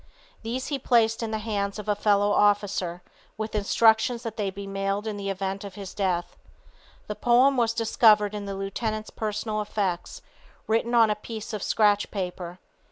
These he placed in the hands of a fellow officer with instructions that they be mailed in the event of his death. The poem was discovered in the lieutenant's personal effects, written on a piece of scratch paper.